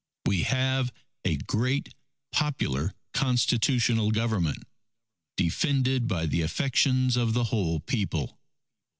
We have a great, popular constitutional Government ... defended by the affections of the whole People.